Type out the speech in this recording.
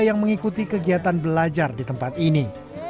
yang mengikuti kegiatan belajar di tempat ini